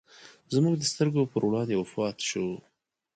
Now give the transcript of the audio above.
زموږ د سترګو پر وړاندې وفات شو.